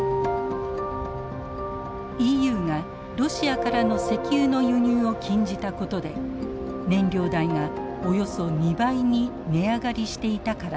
ＥＵがロシアからの石油の輸入を禁じたことで燃料代がおよそ２倍に値上がりしていたからです。